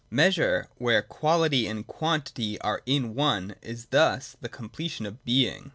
Measure, where quality and quantity are in one, is thus the completion of Being.